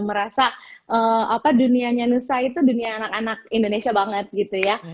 karena dunianya nusa itu dunia anak anak indonesia banget gitu ya